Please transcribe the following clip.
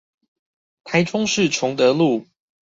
台中市崇德路